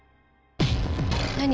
何？